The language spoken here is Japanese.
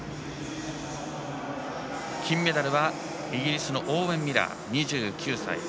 金メダルはイギリスのオーウェン・ミラー、２９歳。